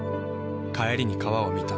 帰りに川を見た。